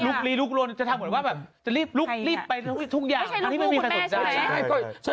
ลุกลู่ของแม่ใช่ไหม